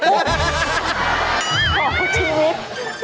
ของชีวิต